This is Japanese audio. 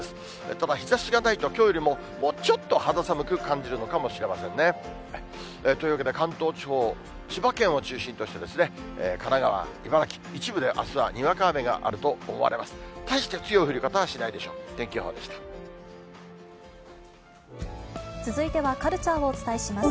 ただ日ざしがないと、きょうよりももうちょっと、肌寒く感じるかもしれませんね。というわけで、関東地方、千葉県を中心として、神奈川、茨城、一部で、あすはにわか雨があると思われます。